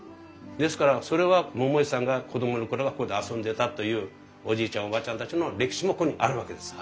ですからそれは桃井さんが子供の頃はここで遊んでたというおじいちゃんおばあちゃんたちの歴史もここにあるわけです。